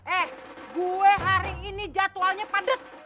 eh gue hari ini jadwalnya padat